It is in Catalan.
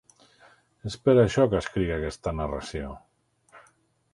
És per això que escric aquesta narració.